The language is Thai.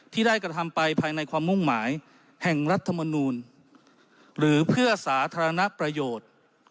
ที่ได้กระทำไปภายในความมุ่งหมายแห่งรัฐมนูลหรือเพื่อสาธารณประโยชน์